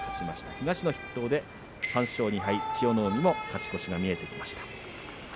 東の筆頭で３勝２敗、千代の海勝ち越しが見えてきました。